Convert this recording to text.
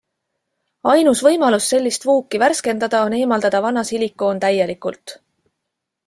Ainus võimalus sellist vuuki värskendada, on eemaldada vana silikoon täielikult.